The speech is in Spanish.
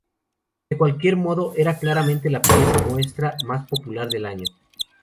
De cualquier modo, era claramente la pieza maestra más popular del año.